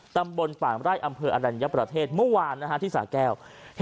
ตำบลป่างไร่อำเภออรัญญประเทศเมื่อวานที่สาแก้ว